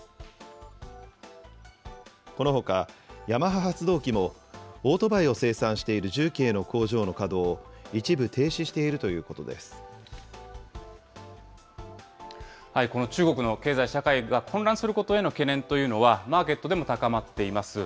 このほか、ヤマハ発動機もオートバイを生産している重慶の工場の稼働を、一この中国の経済、社会が混乱することへの懸念というのは、マーケットでも高まっています。